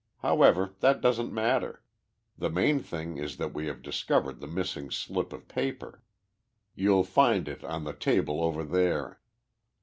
However, that doesn't matter. The main thing is that we have discovered the missing slip of paper. You'll find it on the table over there."